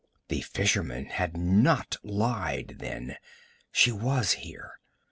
The fisherman had not lied, then; she was here!